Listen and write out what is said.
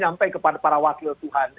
sampai kepada para wakil tuhan